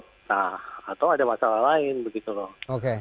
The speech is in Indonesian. nah atau ada masalah lain begitu loh